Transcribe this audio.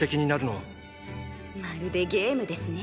まるでゲームですね。